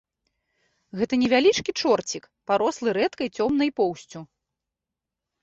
Гэта невялічкі чорцік, парослы рэдкай цёмнай поўсцю.